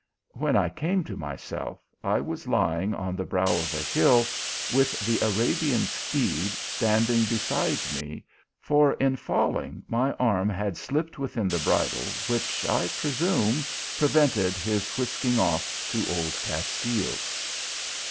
When I came to myself I was lying on the brow ot a hill, witn the Arabian steed standing be side me, for in falling my arm had slipped within the bridle, which, I presume, prevented his whisking off to old Castile.